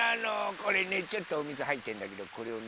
これねちょっとおみずはいってんだけどこれをね